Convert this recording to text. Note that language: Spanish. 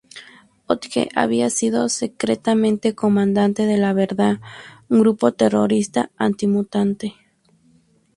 Hodge había sido secretamente Comandante de La Verdad, un grupo terrorista anti-mutante.